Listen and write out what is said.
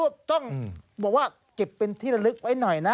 บอกว่ากิดไปคิดละลึกไว้หน่อยนะ